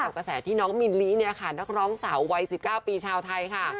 กระแสที่น้องมิลลิเนี่ยค่ะนักร้องสาววัย๑๙ปีชาวไทยค่ะ